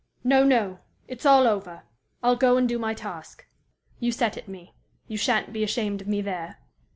"No, no! It's all over! I'll go and do my task. You set it me. You sha'n't be ashamed of me there.